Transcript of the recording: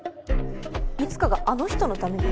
いつかがあの人のために？